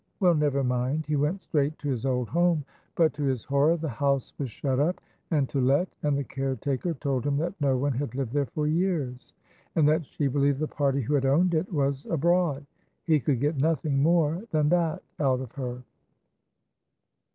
well, never mind, he went straight to his old home; but to his horror the house was shut up, and to let, and the caretaker told him that no one had lived there for years, and that she believed the party who had owned it was abroad; he could get nothing more than that out of her.